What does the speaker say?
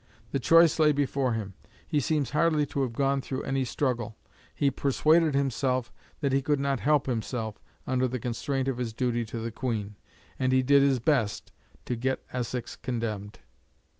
The choice lay before him. He seems hardly to have gone through any struggle. He persuaded himself that he could not help himself, under the constraint of his duty to the Queen, and he did his best to get Essex condemned.